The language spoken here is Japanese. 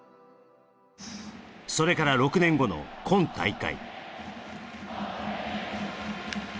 それから６年後の今大会。